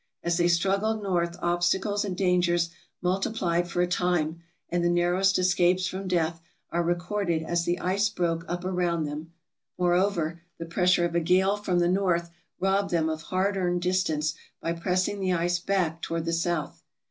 As they struggled north obstacles and dangers multiplied for a time, and the narrowest escapes from death are recorded as the ice broke up around them; moreover, the pressure of a gale from the north robbed them of hard earned distance by pressing the ice back toward the south.